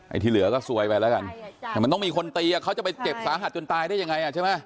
ที่เหลือก็ซวยไปแล้วกันแต่มันต้องมีคนตีอ่ะเขาจะไปเจ็บสาหัสจนตายได้ยังไงอ่ะใช่ไหม